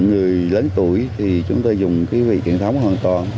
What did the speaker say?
người lớn tuổi thì chúng tôi dùng cái vị truyền thống hoàn toàn